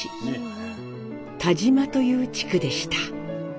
田島という地区でした。